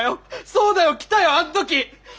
そうだよ来たよあん時！